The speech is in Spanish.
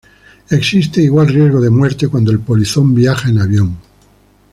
Existe igual riesgo de muerte cuando el polizón viaja en avión.